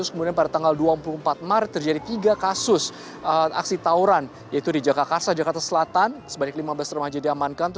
kemudian pada tanggal dua puluh empat maret terjadi tiga kasus aksi tawuran yaitu di jakarta jakarta selatan sebanyak lima belas remaja diamankan